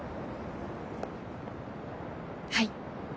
はい。